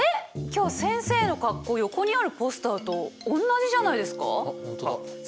今日先生の格好横にあるポスターと同じじゃないですか？